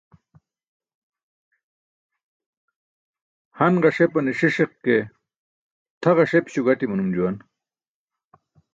Han ġasepane siṣiq ke tʰa ġasepi̇śo gaṭi̇ manum juwan.